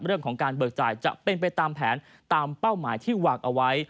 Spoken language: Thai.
เรื่องของการเบิกจ่ายจะเป็นไปตามแผนตามเป้าหมายที่วางเอาไว้